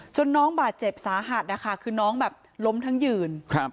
น้องบาดเจ็บสาหัสนะคะคือน้องแบบล้มทั้งยืน